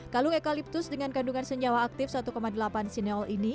kalung ekaliptus dengan kandungan senyawa aktif satu delapan sineol ini